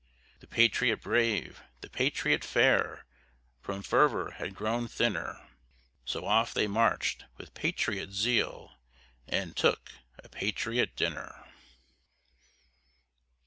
The patriot brave, the patriot fair, From fervor had grown thinner, So off they march'd, with patriot zeal, And took a patriot dinner.